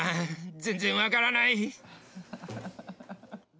全然分からない。